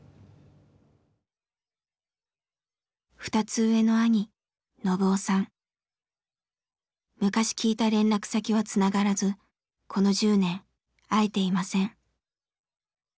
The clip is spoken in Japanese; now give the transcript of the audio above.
２つ上の昔聞いた連絡先はつながらずこの１０年会えていません。